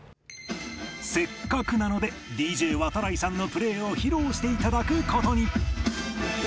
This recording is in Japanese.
せっかくなので ＤＪＷＡＴＡＲＡＩ さんのプレイを披露していただく事に